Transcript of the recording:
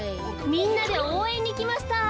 みんなでおうえんにきました。